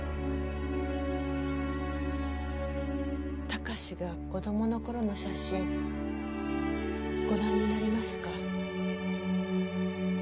貴史が子供の頃の写真ご覧になりますか？